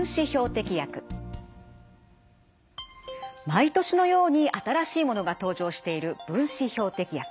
毎年のように新しいものが登場している分子標的薬。